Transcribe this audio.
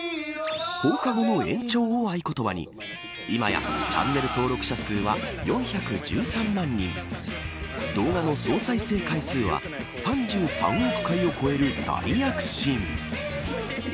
放課後の延長、を合言葉に今やチャンネル登録者数は４１３万人動画の総再生回数は３３億回を超える大躍進。